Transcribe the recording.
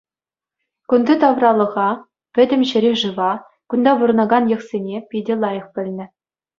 Кунти тавралӑха, пӗтӗм ҫӗре-шыва, кунта пурӑнакан йӑхсене питӗ лайӑх пӗлнӗ.